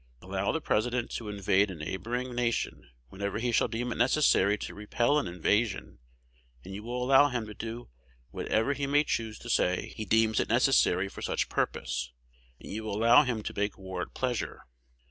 Allow the President to invade a neighboring nation whenever he shall deem it necessary to repel an invasion, and you allow him to do so whenever he may choose to say he deems it necessary for such purpose, and you allow him to make war at pleasure.